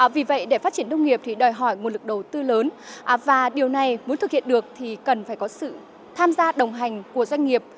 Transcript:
vì vậy để phát triển nông nghiệp thì đòi hỏi nguồn lực đầu tư lớn và điều này muốn thực hiện được thì cần phải có sự tham gia đồng hành của doanh nghiệp